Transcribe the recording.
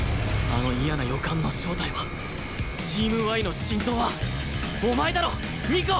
あの嫌な予感の正体はチーム Ｙ の心臓はお前だろ二子！